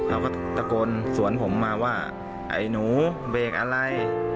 เขาก็ตะโกนสวนผมมาว่าไอ้หนูเบรกอะไร